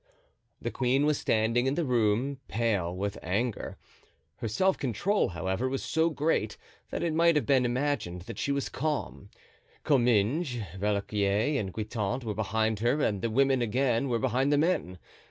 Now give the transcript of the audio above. The queen was standing in the room, pale with anger; her self control, however, was so great that it might have been imagined that she was calm. Comminges, Villequier and Guitant were behind her and the women again were behind the men.